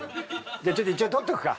ちょっと一応撮っておくか。